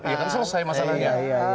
iya kan selesai masalahnya